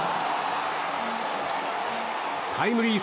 タイムリー